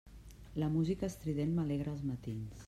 La música estrident m'alegra els matins.